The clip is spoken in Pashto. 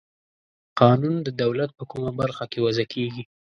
قانون د دولت په کومه برخه کې وضع کیږي؟